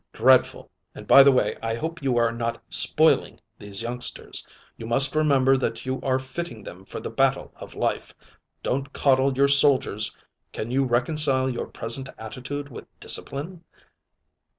"Dreadful. And, by the way, I hope you are not spoiling these youngsters. You must remember that you are fitting them for the battle of life. Don't coddle your soldiers. Can you reconcile your present attitude with discipline?"